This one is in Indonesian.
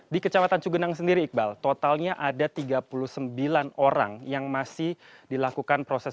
di kecamatan cugenang sendiri iqbal totalnya ada tiga puluh sembilan orang yang masih dilakukan proses